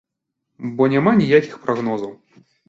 Бо няма ніякіх прагнозаў.